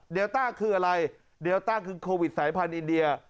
ต้าคืออะไรเดลต้าคือโควิดสายพันธุอินเดีย